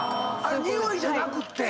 においじゃなくって。